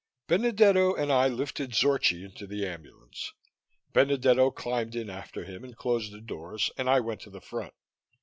Benedetto and I lifted Zorchi into the ambulance. Benedetto climbed in after him and closed the doors, and I went to the front.